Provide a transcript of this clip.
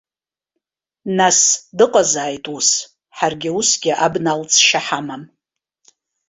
Нас дыҟазааит ус, ҳара усгьы абна алҵшьа ҳамам.